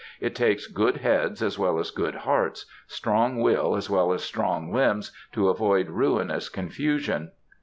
It takes good heads as well as good hearts, strong will as well as strong limbs, to avoid ruinous confusion.